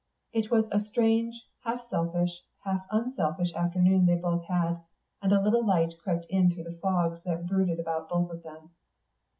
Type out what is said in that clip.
It was a strange, half selfish, half unselfish afternoon they both had, and a little light crept in through the fogs that brooded about both of them.